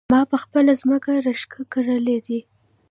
ما په خپله ځمکه رشکه کرلي دي